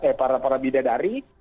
eh para para bidadari